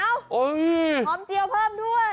หอมเจียวเพิ่มด้วย